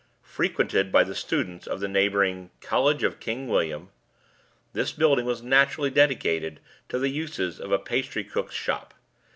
Frequented by the students of the neighboring "College of King William," this building was naturally dedicated to the uses of a pastry cook's shop.